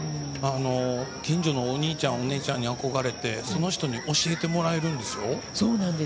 近所のお兄ちゃん、お姉ちゃんに憧れてその人に教えてもらえるんですよ。